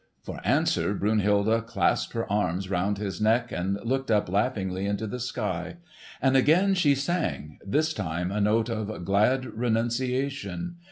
For answer Brunhilde clasped her arms around his neck and looked up laughingly into the sky. And again she sang—this time a note of glad renunciation.